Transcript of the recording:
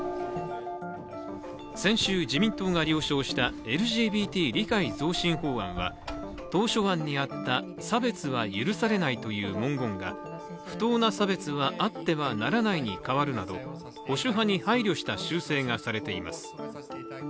先週、自民党が了承したＬＧＢＴ理解増進法案は当初案にあった差別は許されないという文言が不当な差別はあってはならないに変わるなど保守派に配慮した修正がされています。